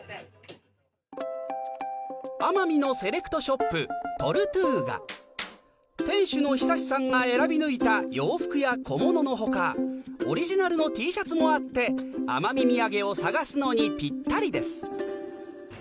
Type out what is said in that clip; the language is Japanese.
奄美のセレクトショップ店主の久さんが選び抜いた洋服や小物の他オリジナルのＴシャツもあって奄美土産を探すのにピッタリです